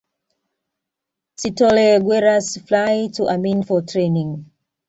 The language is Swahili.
Sithole Guerrillas Fly to Amin for Training